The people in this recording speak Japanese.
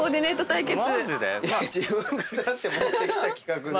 自分が持ってきた企画で。